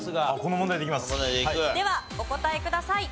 ではお答えください。